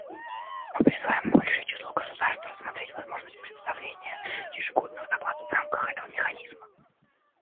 Мы призываем большее число государств рассмотреть возможность представления ежегодных докладов в рамках этого механизма.